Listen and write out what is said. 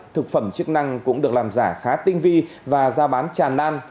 thực phẩm chức năng cũng được làm giả khá tinh vi và ra bán tràn nan